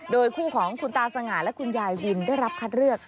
โดยคู่ของคุณตาสง่าและคุณยายวินได้รับคัดเลือก